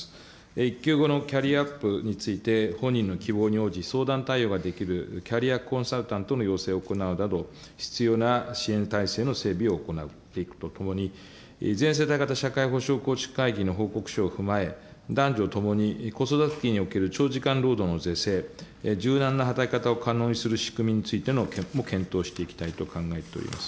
育休後のキャリアアップについて、本人の希望に応じて相談対応ができるキャリアコンサルタントの養成を行うなど、必要な支援体制の整備を行っていくとともに、全世代型社会保障構築会議の報告書を踏まえ、男女ともに子育て期における長時間労働の是正、柔軟な働き方を可能にする仕組みについてのも検討していきたいと考えております。